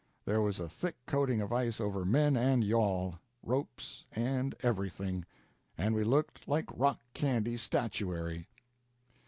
There was a thick coating of ice over men and yawl, ropes, and everything, and we looked like rock candy statuary.